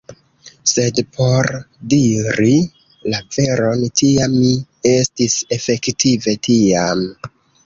Sed, por diri la veron, tia mi estis efektive tiam!